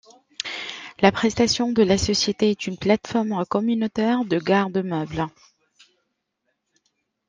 La prestation de la société est une plateforme communautaire de garde-meuble.